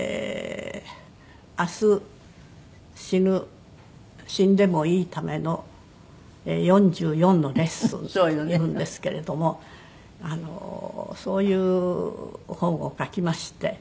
『明日死んでもいいための４４のレッスン』っていうんですけれどもそういう本を書きまして。